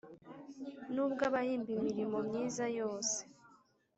N ubw abahimba imirimo myiza yose